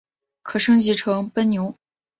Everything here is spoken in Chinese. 可升级成奔牛。